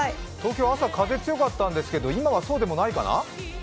東京、朝風強かったんですけど、今はそうでもないかな？